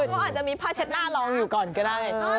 ก็อาจจะมีผ้าเช็ดหน้าลองอยู่ก่อนก็ได้